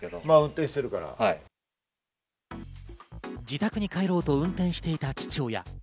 自宅に帰ろうと運転していた父親。